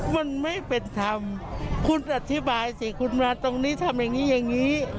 มันไม่เป็นธรรมคุณอธิบายสิคุณมาตรงนี้ทำอย่างนี้อย่างนี้